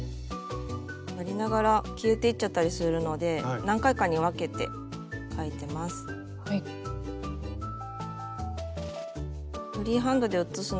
やりながら消えていっちゃったりするので何回かに分けて描いてます。